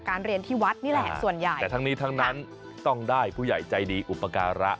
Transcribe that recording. เรียนที่วัดนี่แหละส่วนใหญ่แต่ทั้งนี้ทั้งนั้นต้องได้ผู้ใหญ่ใจดีอุปการะ